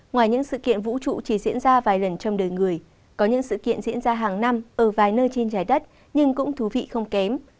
ngoài những sự kiện vũ trụ chỉ diễn ra vài lần trong đời người có những sự kiện diễn ra hàng năm ở vài nơi trên trái đất nhưng cũng thú vị không kém